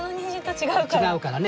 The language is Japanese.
違うからね。